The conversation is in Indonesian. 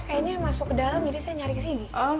kayaknya masuk ke dalam jadi saya nyari ke sini